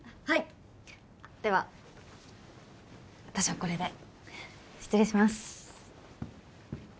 はいでは私はこれで失礼します